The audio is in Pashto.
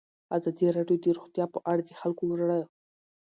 ازادي راډیو د روغتیا په اړه د خلکو وړاندیزونه ترتیب کړي.